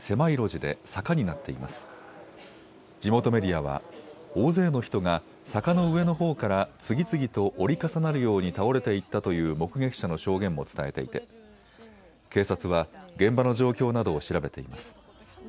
地元メディアは大勢の人が坂の上のほうから次々と折り重なるように倒れていったという目撃者の証言も伝えていて警察は現場の状況などを調べています。